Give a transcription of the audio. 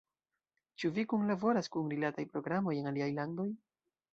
Ĉu vi kunlaboras kun rilataj programoj en aliaj landoj?